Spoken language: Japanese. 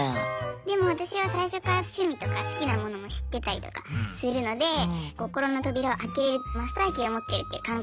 でも私は最初から趣味とか好きなものも知ってたりとかするので心の扉を開けれるマスターキーを持ってるって感覚。